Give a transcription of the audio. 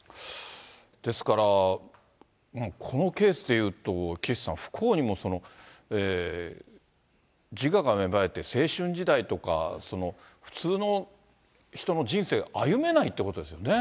ですから、このケースでいうと岸さん、不幸にも自我が芽生えて青春時代とか、普通の人の人生を歩めないということですよね。